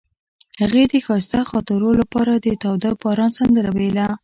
هغې د ښایسته خاطرو لپاره د تاوده باران سندره ویله.